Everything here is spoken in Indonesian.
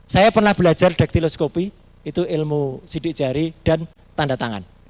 saya pernah belajar dektiloskopi itu ilmu sidik jari dan tanda tangan